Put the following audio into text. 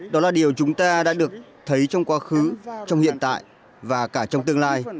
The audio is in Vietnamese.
đó là điều chúng ta đã được thấy trong quá khứ trong hiện tại và cả trong tương lai